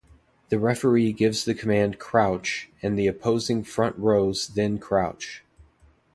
The referee gives the command "crouch" and the opposing front rows then crouch.